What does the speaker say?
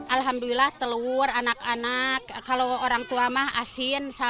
alhamdulillah telur anak anak kalau orang tua mah asin